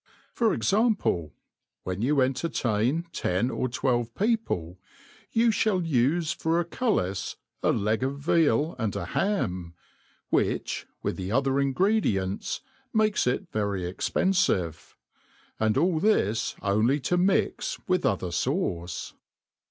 For example : when you entertain ten or twelve peoplcy you fhall ufe for a cullisj a leg of veal and a ham \ whicby uith the other ingredientSy makes it very expenjivCy and all this only to mix with other fauce.